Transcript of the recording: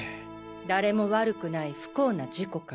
誰も悪くない不幸な事故か。